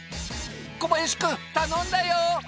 小林君頼んだよ！